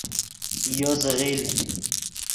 یو زیغیل